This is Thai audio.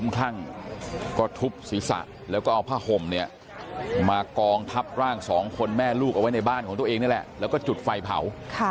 ทั้งก็ทุบศีรษะแล้วก็เอาผ้าผมมากองทับร่าง๒คนแม่ลูกเอาไว้ในบ้านของตัวเองและจุดไฟเผา